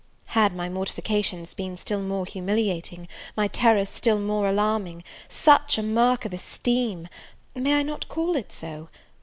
Had my mortifications been still more humiliating, my terrors still more alarming, such a mark of esteem may I not call it so?